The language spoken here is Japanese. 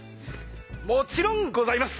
もちろんございます！